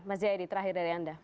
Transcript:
mas jayadi terakhir dari anda